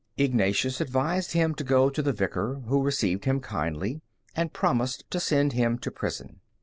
Ignatius advised him to go to the Vicar, who received him kindly, and promised to send him to prison.